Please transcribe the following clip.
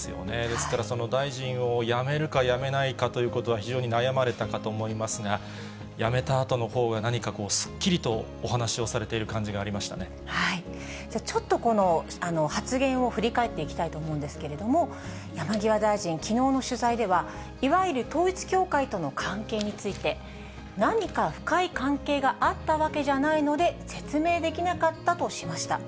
ですから大臣を辞めるか辞めないかということは、非常に悩まれたかと思いますが、辞めたあとのほうが何かすっきりとお話しをされている感じがありちょっと発言を振り返っていきたいと思うんですけれども、山際大臣、きのうの取材では、いわゆる統一教会との関係について、何か深い関係があったわけじゃないので、説明できなかったとしました。